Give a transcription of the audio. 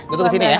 gue tunggu sini ya